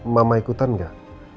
mama ikutan gak